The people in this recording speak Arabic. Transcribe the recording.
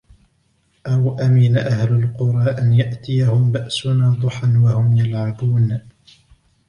أَوَأَمِنَ أَهْلُ الْقُرَى أَنْ يَأْتِيَهُمْ بَأْسُنَا ضُحًى وَهُمْ يَلْعَبُونَ